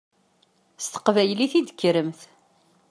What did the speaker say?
S teqbaylit i d-tekkremt.